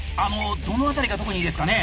どの辺りが特にいいですかね？